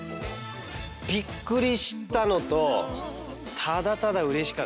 びっくりしたのとただただうれしかったです。